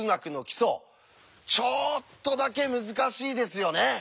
ちょっとだけ難しいですよね？